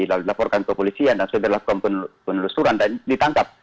lalu dilaporkan kepolisian lalu dilaporkan ke penelusuran dan ditangkap